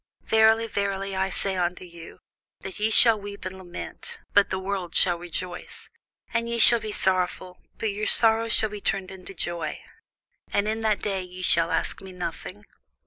Verily, verily, I say unto you, That ye shall weep and lament, but the world shall rejoice: and ye shall be sorrowful, but your sorrow shall be turned into joy. And in that day ye shall ask me nothing.